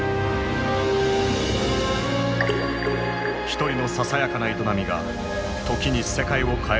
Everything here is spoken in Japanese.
一人のささやかな営みが時に世界を変えることがある。